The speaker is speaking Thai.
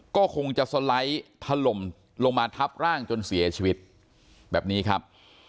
ก็คงจะสไลด์ถล่มลงมาทับร่างจนเสียชีวิตแบบนี้ครับ